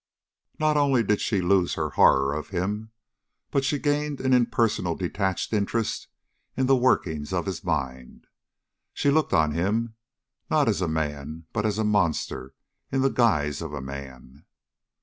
Not only did she lose her horror of him, but she gained an impersonal, detached interest in the workings of his mind. She looked on him not as a man but as a monster in the guise of a man.